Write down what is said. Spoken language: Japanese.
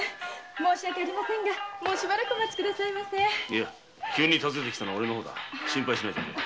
いや急に訪ねたのは俺の方だ心配しないでくれ。